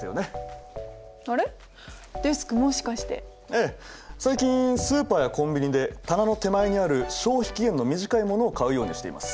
ええ最近スーパーやコンビニで棚の手前にある消費期限の短いものを買うようにしています。